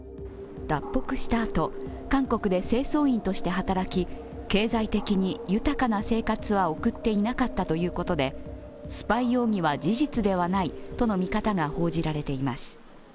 脱北したあと、韓国で清掃員として働き経済的に豊かな生活は送っていなかったということでスパイ容疑は事実ではないとの見方が報じられています。